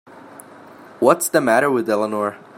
What's the matter with Eleanor?